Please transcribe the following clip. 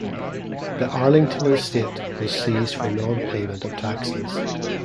The Arlington estate was seized for nonpayment of taxes.